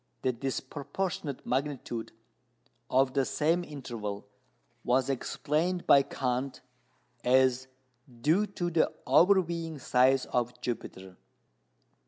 The disproportionate magnitude of the same interval was explained by Kant as due to the overweening size of Jupiter.